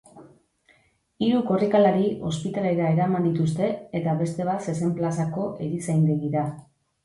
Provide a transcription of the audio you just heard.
Hiru korrikalari ospitalera eraman dituzte eta beste bat zezen-plazako erizaindegira.